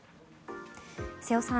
瀬尾さん